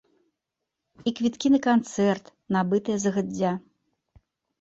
І квіткі на канцэрт, набытыя загадзя.